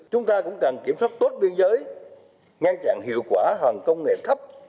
chúng ta cũng cần kiểm soát tốt biên giới ngăn chặn hiệu quả hàng công nghệ thấp